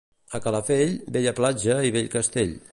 A Calafell, bella platja i vell castell.